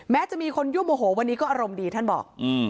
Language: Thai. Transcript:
จะมีคนยั่วโมโหวันนี้ก็อารมณ์ดีท่านบอก